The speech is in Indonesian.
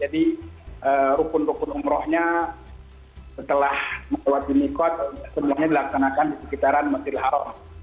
jadi rukun rukun umrohnya setelah mengawasi mikot semuanya dilaksanakan di sekitaran masjid al haram